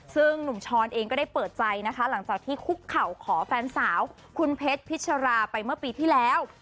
ซึ่งหนุ่มช้อนเองก็ได้เปิดใจนะคะหลังจากที่คุกเข่าขอแฟนสาวคุณเพชรพิชราไปเมื่อปีที่แล้ว